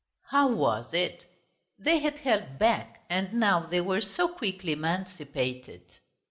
How was it? They had held back and now they were so quickly emancipated!